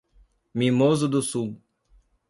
Mimoso do Sul